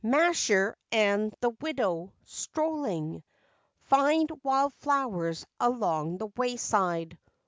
"Masher" and the widow, strolling, Find wild flowers along the wayside.